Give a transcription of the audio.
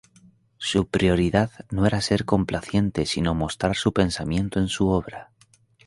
Su prioridad no era ser complaciente sino mostrar su pensamiento en su obra.